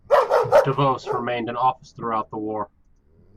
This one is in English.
De Vos remained in office throughout the war.